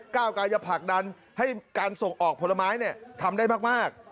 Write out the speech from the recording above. ก้าวกายจะผลักดันให้การส่งออกผลไม้ทำได้มาก